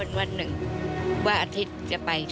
อันดับ๖๓๕จัดใช้วิจิตร